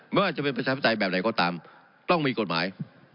ไม่ว่าจะเป็นประชาธิปไตยแบบไหนก็ตามต้องมีกฎหมาย